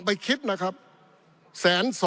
ปี๑เกณฑ์ทหารแสน๒